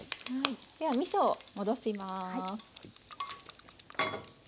ではみそを戻します。